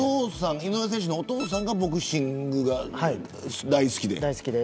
井上選手のお父さんがボクシングが大好きで。